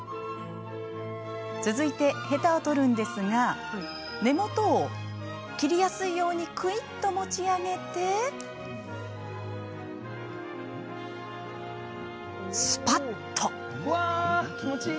続いて、ヘタを取るんですが根元を切りやすいようにくいっと持ち上げてすぱっと！